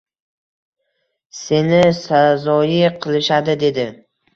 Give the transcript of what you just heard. Seni sazoyi qilishadi dedi